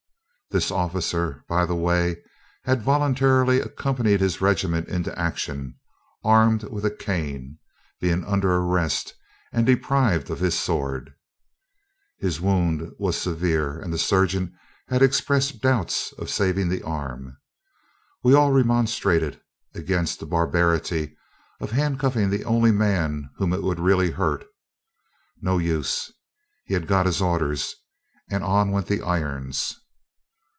(This officer, by the way, had voluntarily accompanied his regiment into action, armed with a cane, being under arrest and deprived of his sword.) His wound was severe, and the surgeon had expressed doubts of saving the arm. We all remonstrated against the barbarity of handcuffing the only man whom it would really hurt. No use: he had got his orders, and on went the irons.